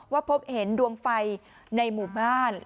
พบเห็นดวงไฟในหมู่บ้าน